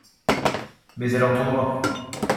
Mais elle entendra.